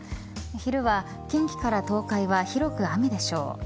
昼は近畿から東海は広く雨でしょう。